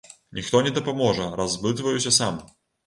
Ніхто не дапаможа, разблытваюся сам.